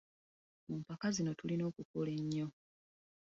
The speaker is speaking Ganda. Mu mpaka zino tulina okukola ennyo.